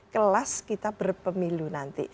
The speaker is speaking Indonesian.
kelas kita berpemilu nanti